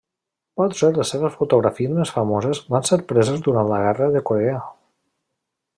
Potser les seves fotografies més famoses van ser preses durant la guerra de Corea.